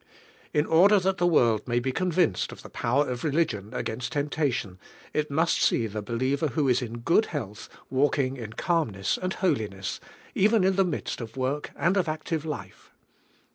i n „,,, der tbait the world may he convinced of the power of religion again si I en,, nation, 'I must see the believer who is in good health walking in calmness and holiness even in the midst of .work and of active life.